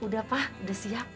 sudah pak sudah siap